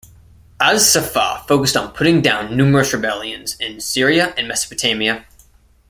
As-Saffah focused on putting down numerous rebellions in Syria and Mesopotamia.